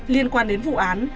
liên quan đến vụ án